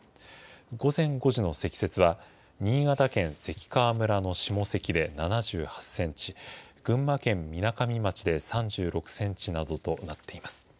午前５時の積雪は、新潟県関川村の下関で７８センチ、群馬県みなかみ町で３６センチなどとなっています。